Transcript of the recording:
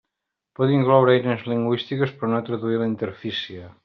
Pot incloure eines lingüístiques, però no traduir la interfície.